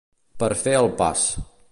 Per fer el pas.